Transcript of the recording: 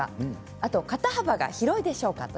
あと肩幅が広いでしょうか。